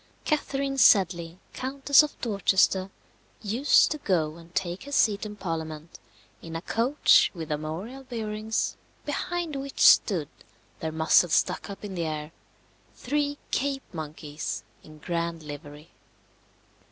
Catherine Sedley, Countess of Dorchester, used to go and take her seat in Parliament in a coach with armorial bearings, behind which stood, their muzzles stuck up in the air, three Cape monkeys in grand livery.